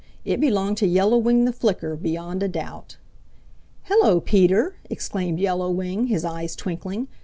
It belonged to Yellow Wing the Flicker beyond a doubt. "Hello, Peter!" exclaimed Yellow Wing, his eyes twinkling.